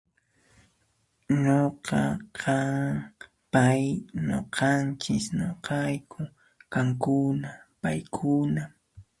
Nuqa, qam, pay, nuqanchis ,nuqayku qankuna, paykuna.